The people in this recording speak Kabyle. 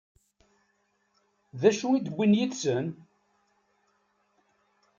D acu i d-wwin yid-sen?